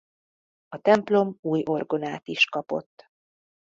A templom új orgonát is kapott.